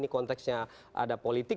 konteksnya ada politik